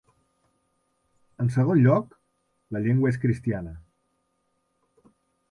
En segon lloc, la llengua és cristiana.